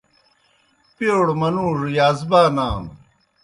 پیڑوْ منُوڙوْ یازبانانوْ۔